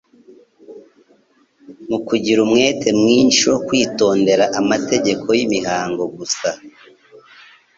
Mu kugira umwete mwinshi wo kwitondera amategeko y'imihango gusa,